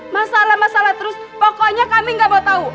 masalah masalah terus pokoknya kami nggak mau tahu